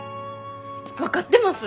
分かってます。